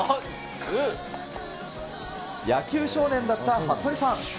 野球少年だったはっとりさん。